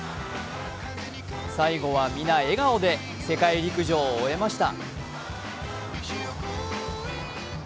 最後はみな笑顔で世界陸上を終えました。